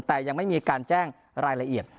แต่ยังไม่มีการแจ้งรายละเอียด